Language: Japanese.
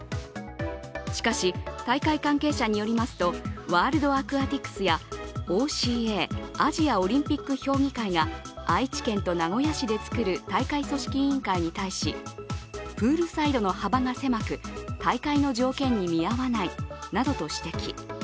しかし、大会関係者によりますと、ワールドアクアティクスやＯＣＡ＝アジア・オリンピック評議会が愛知県と名古屋市で作る大会組織委員会に対し、プールサイドの幅が狭く大会の条件に見合わないなどと指摘。